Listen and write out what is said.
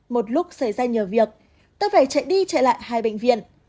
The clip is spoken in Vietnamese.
một lúc xảy ra nhờ việc tôi phải chạy đi chạy lại hai bệnh viện